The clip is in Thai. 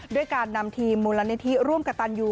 ด้วยการนำทีมมูลนิธิร่วมกับตันยู